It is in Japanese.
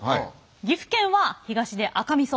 岐阜県は東で赤みそ。